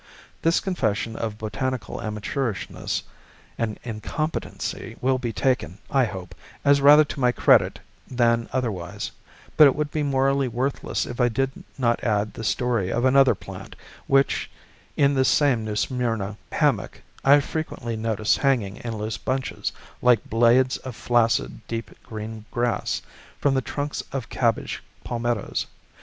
This confession of botanical amateurishness and incompetency will be taken, I hope, as rather to my credit than otherwise; but it would be morally worthless if I did not add the story of another plant, which, in this same New Smyrna hammock, I frequently noticed hanging in loose bunches, like blades of flaccid deep green grass, from the trunks of cabbage palmettos.